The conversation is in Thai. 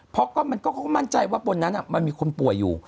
เพราะเขาก็มั่นใจว่าบนนั้นมันมีคนป่วยอยู่